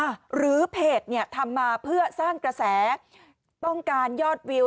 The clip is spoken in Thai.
หรือเพจเนี่ยทำมาเพื่อสร้างกระแสต้องการยอดวิว